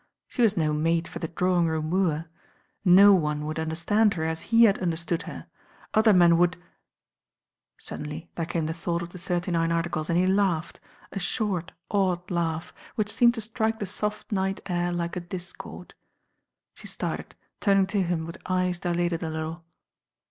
She was no mate for the drawing room wooer. No one would under* stand her as he had understood her. Other men wo'ild Suddenly there came the thought of the Thirty Nine Articles and he laughed, a short, odd laugh, which seemed to strike the soft night air like a dis cord. She started, turning to him with eyes dilated a little.